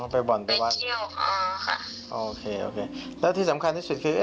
ไปบ่อนไปวัดเที่ยวค่ะอ่าค่ะโอเคโอเคแล้วที่สำคัญที่สุดคือ